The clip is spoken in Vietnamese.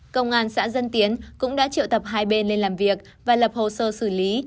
công an xã dân tiến cũng đã triệu tập hai bên lên làm việc và lập hồ sơ xử lý